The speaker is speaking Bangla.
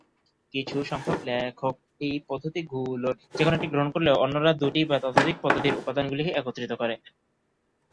কিছুসংখ্যক লেখক এই পদ্ধতিগুলোর যেকোনো একটি গ্রহণ করলেও অন্যরা দুটি বা ততোধিক পদ্ধতির উপাদানগুলিকে একত্রিত করে।